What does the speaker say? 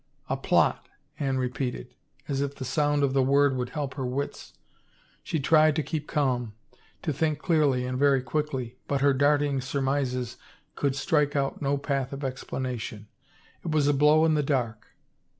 A plot," Anne repeated, as if the sound of the word would help her wits. She tried to keep calm, to think clearly and very quickly, but her darting surmises could strike out no path of explanation. It was a blow in the dark.